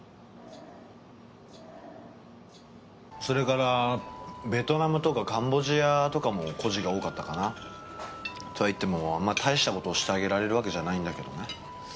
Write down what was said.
それからベトナムとかカンボジアとかも孤児が多かったかな。とは言ってもあんま大した事をしてあげられるわけじゃないんだけどね。